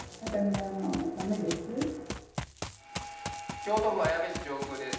京都府綾部市上空です。